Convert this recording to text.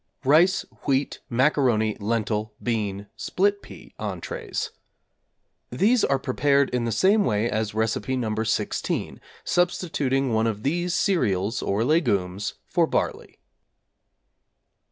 =Rice, Wheat, Macaroni, Lentil, Bean, Split pea Entrées= These are prepared in the same way as Recipe No. 16, substituting one of these cereals or légumes for barley.